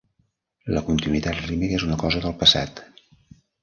La continuïtat rítmica és una cosa del passat.